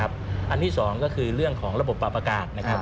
อันนี้สองก็คือเรื่องของระบบปรากฏ